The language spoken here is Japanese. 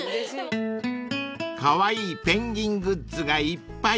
［カワイイペンギングッズがいっぱい］